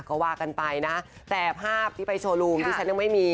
ก็ว่ากันไปนะแต่ภาพที่ไปโชว์รูมที่ฉันยังไม่มี